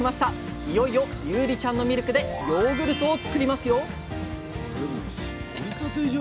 いよいよユウリちゃんのミルクでヨーグルトを作りますよ！